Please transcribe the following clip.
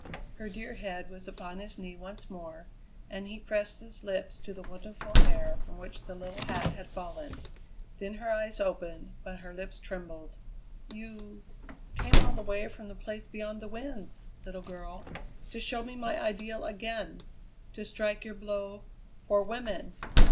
Her dear head was upon his knee once more, and he pressed his lips to the wonderful hair from which the little hat had fallen. Then her eyes opened, but her lips trembled. "You came all the way from the Place Beyond the Winds, little girl, to show me my ideal again; to strike your blow for women."